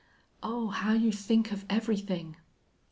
"Oh, how you think of everything!"